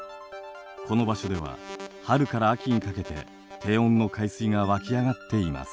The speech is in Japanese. この場所では春から秋にかけて低温の海水が湧き上がっています。